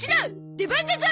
出番だゾ！